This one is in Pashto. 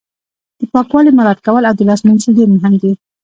د پاکوالي مراعت کول او لاس مینځل ډیر مهم دي